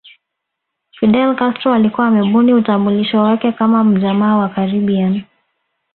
Fidel Castro alikuwa amebuni utambulisho wake kama mjamaa wa Caribbean